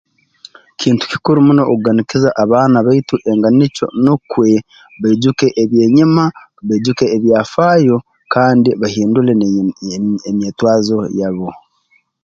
Kintu kikuru muno okuganikiza abaana baitu engaanikyo nukwe baijuke eby'enyima baijuke ebyafaayo kandi bahindule n'emye emyetwazo yabo